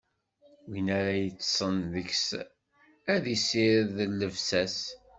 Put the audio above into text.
Win ara yeṭṭṣen deg-s, ad issired llebsa-s.